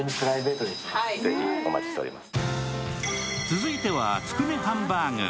続いてはつくねハンバーグ。